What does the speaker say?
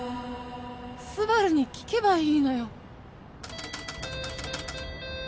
スバルに聞けばいいのよ